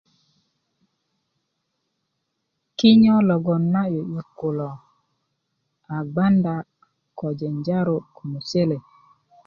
kinyo logon nan 'yu'yut kulo a gbanda ko janjaro ko musele